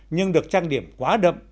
nhưng được trang điểm quá đậm